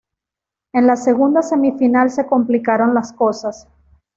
En la segunda semifinal se complicaron las cosas.